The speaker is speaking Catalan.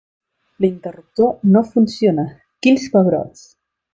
L'interruptor no funciona, quins pebrots!